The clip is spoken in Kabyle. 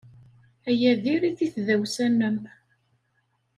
Aya diri-t i tdawsa-nnem.